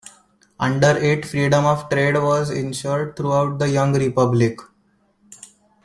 Under it, freedom of trade was insured throughout the young republic.